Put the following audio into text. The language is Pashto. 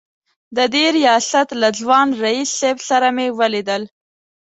د دې ریاست له ځوان رییس صیب سره مې ولیدل.